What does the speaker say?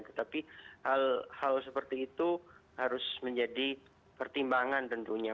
tetapi hal hal seperti itu harus menjadi pertimbangan tentunya